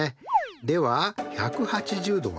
では１８０°は？